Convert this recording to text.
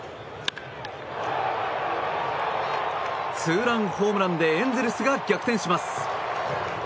ツーランホームランでエンゼルスが逆転します。